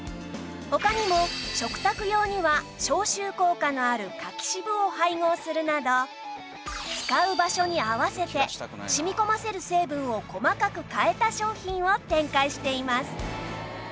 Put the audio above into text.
他にも食卓用には消臭効果のある柿渋を配合するなど使う場所に合わせて染み込ませる成分を細かく変えた商品を展開しています